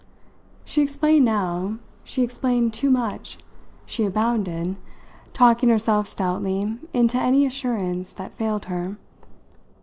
She explained now, she explained too much, she abounded, talking herself stoutly into any assurance that failed her.